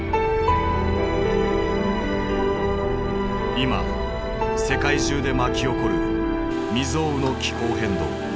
今世界中で巻き起こる未曽有の気候変動。